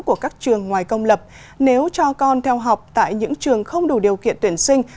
của các trường ngoài công lập nếu cho con theo học tại những trường không đủ điều kiện tuyển sinh